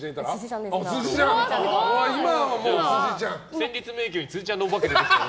戦慄迷宮に辻ちゃんのお化け出てきたら？